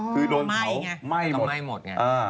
คือโดนเผาใหม่หมดใช่ไหมเองเราก็ไหวหมด